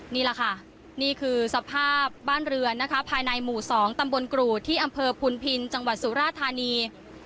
นี่แหละค่ะนี่คือสภาพบ้านเรือนนะคะภายในหมู่๒ตำบลกรูดที่อำเภอพุนพินจังหวัดสุราธานี